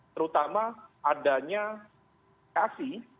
terutama adanya kasih